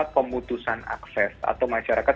pemutusan akses atau masyarakat